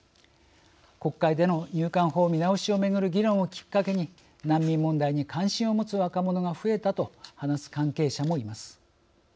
国会での入管法見直しをめぐる議論をきっかけに難民問題に関心を持つ若者が増えたと話す関係者もいます。